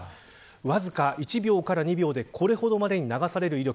わずか１秒から２秒でこれほどまでに流される威力